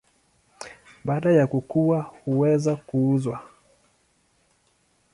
Baada ya kukua huweza kuuzwa.